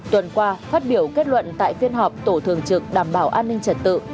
tuần qua phát biểu kết luận tại phiên họp tổ thường trực đảm bảo an ninh trật tự